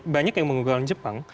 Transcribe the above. banyak yang mengunggul jepang